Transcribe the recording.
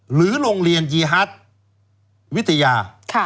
หรือโรงเรียนยีฮัทวิทยา